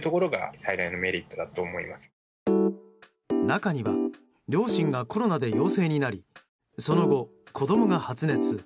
中には両親がコロナで陽性になりその後、子供が発熱。